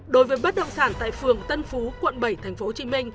đối với bất động sản tại phường tân phú quận bảy tp hcm